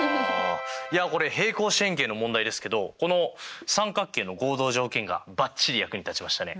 これ平行四辺形の問題ですけどこの三角形の合同条件がばっちり役に立ちましたね！